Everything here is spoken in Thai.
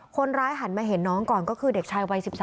หันมาเห็นน้องก่อนก็คือเด็กชายวัย๑๓